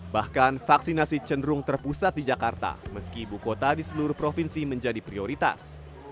bahkan vaksinasi cenderung terpusat di jakarta meski ibu kota di seluruh provinsi menjadi prioritas